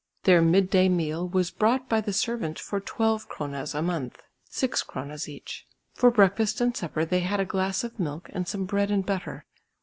Their midday meal was brought by the servant for 12 kronas a month, 6 kronas each. For breakfast and supper they had a glass of milk and some bread and butter.